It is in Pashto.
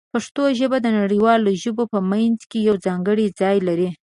پښتو ژبه د نړیوالو ژبو په منځ کې یو ځانګړی ځای لري.